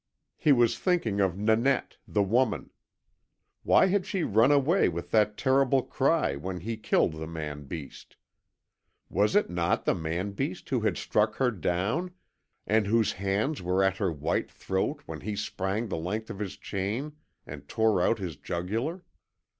He was thinking of Nanette, the woman. Why had she run away with that terrible cry when he killed the man beast? Was it not the man beast who had struck her down, and whose hands were at her white throat when he sprang the length of his chain and tore out his jugular?